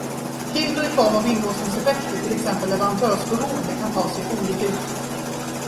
Hinder i form av inlåsningseffekter, till exempel leverantörsberoende, kan ta sig olika uttryck.